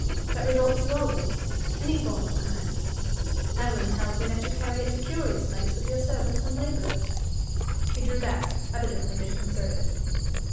That revolts you always any form of command? Evelyn tells me that you carry it to curious lengths with your servants and laborers." He drew back, evidently disconcerted.